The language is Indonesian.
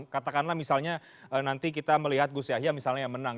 katakanlah misalnya nanti kita melihat gus yahya misalnya yang menang